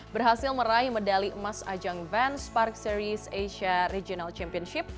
berhasil meraih medali emas ajang benz park series asia regional championship